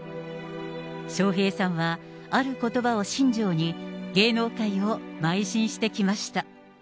笑瓶さんは、あることばを信条に、芸能界をまい進してきました。